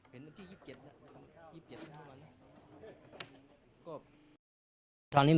มันที่๒๗